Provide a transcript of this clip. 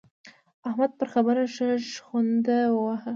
احمد پر خبره ښه شخوند وواهه.